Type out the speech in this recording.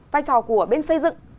vai trò của bên xây dựng